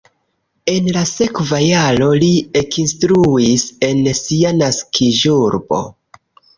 En la sekva jaro li ekinstruis en sia naskiĝurbo.